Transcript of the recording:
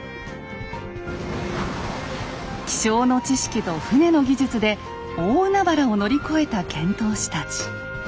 気象の知識と船の技術で大海原を乗り越えた遣唐使たち。